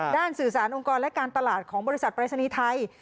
สื่อสารองค์กรและการตลาดของบริษัทปรายศนีย์ไทย